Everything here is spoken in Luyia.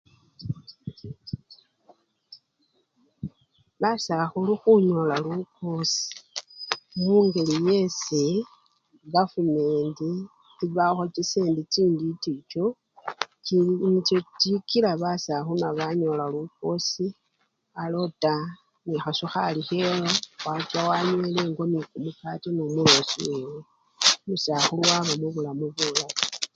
Basakhulu khunyola lukosi mungeli esii kafumentii ebawakho chisendi chintiti nicho chikila basakhulu nabwo banyola lukosi, alota nekhasukhali khewe wacha wanywela engo nekumukati nomulosi wewe, umusahulu waba mubulamu bulayi.